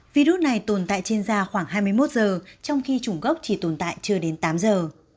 virus này tồn tại trên da khoảng hai mươi một giờ trong khi chủng gốc chỉ tồn tại chưa đến tám giờ